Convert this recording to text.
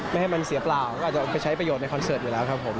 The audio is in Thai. ไม่ให้มันเสียเปล่าก็อาจจะไปใช้ประโยชนในคอนเสิร์ตอยู่แล้วครับผม